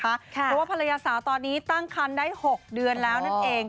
เพราะว่าภรรยาสาวตอนนี้ตั้งคันได้๖เดือนแล้วนั่นเอง